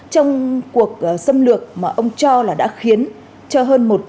trong cuộc xâm lược mà ông cho là đã khiến cho hơn một người bị bệnh